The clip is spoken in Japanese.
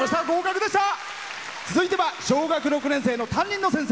続いては小学校６年生の担任の先生。